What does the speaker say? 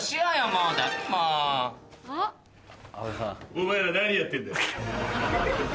お前ら何やってんだ。